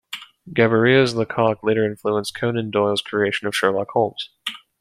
Gaboriau's Lecoq later influenced Conan Doyle's creation of Sherlock Holmes.